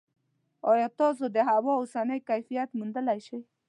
ایا تاسو د هوا اوسنی کیفیت موندلی شئ؟